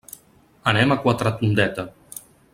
Anem a Quatretondeta.